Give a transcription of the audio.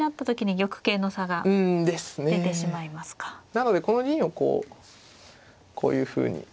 なのでこの銀をこういうふうに。